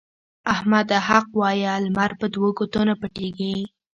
احمده! حق وايه؛ لمر په دوو ګوتو نه پټېږي.